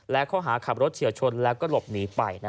และข้อหาขับรถเฉียวชนแล้วก็หลบหนีไป